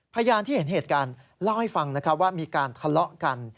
พยานที่เห็นเหตุการณ์เล่าให้ฟังนะครับว่ามีการทะเลาะกัน